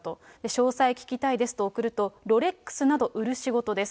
詳細聞きたいですと送ると、ロレックスなど売る仕事です。